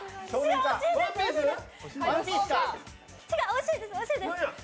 惜しいです、惜しいです！